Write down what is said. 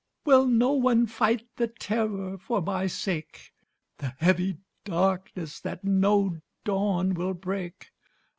Will no one fight the Terror for my sake, The heavy darkness that no dawn will break?